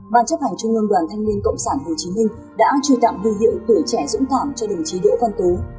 ban chấp hành trung ngân đoàn thanh niên cộng sản hồ chí minh đã truy tạm ghi hiệu tuổi trẻ dũng tảm cho đồng chí đỗ văn tú